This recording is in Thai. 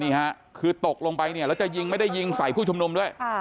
นี่ฮะคือตกลงไปเนี่ยแล้วจะยิงไม่ได้ยิงใส่ผู้ชุมนุมด้วย